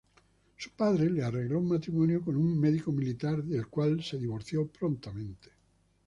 Su padre arregló un matrimonio con un doctor militar del cual se divorció prontamente.